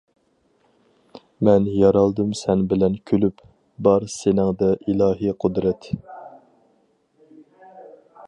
مەن يارالدىم سەن بىلەن كۈلۈپ، بار سېنىڭدە ئىلاھى قۇدرەت.